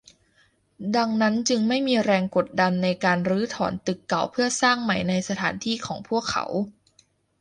ดังนั้นจึงไม่มีแรงกดดันในการรื้อถอนตึกเก่าเพื่อสร้างใหม่ในสถานที่ของพวกเขา